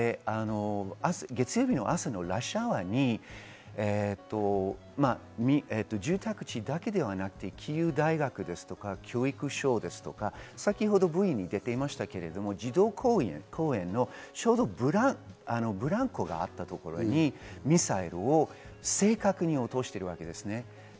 月曜日の朝のラッシュアワーに住宅地だけではなくてキーウ大学とか教育省とか先ほどＶＴＲに出ていましたが、児童公園のちょうどブランコがあったところにミサイルを正確に落としているわけです。